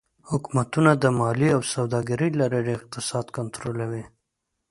حکومتونه د مالیې او سوداګرۍ له لارې اقتصاد کنټرولوي.